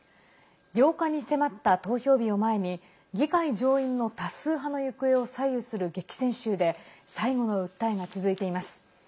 ８日に迫った投票日を前に議会上院の多数派の行方を左右する激戦州で最後の訴えが続いています。